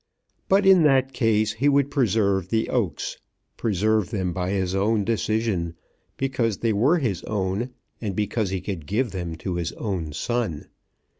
But in that case he would preserve the oaks, preserve them by his own decision, because they were his own, and because he could give them to his own son.